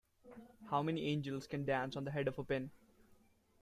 How many angels can dance on the head of a pin?